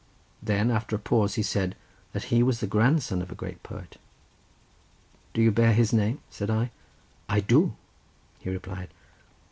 Then after a pause he said that he was the grandson of a great poet. "Do you bear his name?" said I. "I do," he replied.